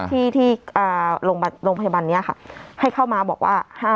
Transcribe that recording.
ที่ที่อ่าโรงพยาบาลโรงพยาบาลเนี้ยค่ะให้เข้ามาบอกว่าอ่า